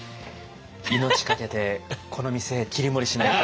命かけてこの店切り盛りしないと。